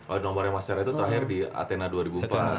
oh nomornya mas tera itu terakhir di athena dua ribu empat